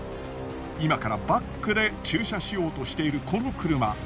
今からバックで駐車しようとしているこの車。